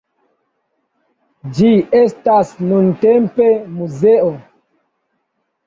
Ĝi estas nuntempe muzeo.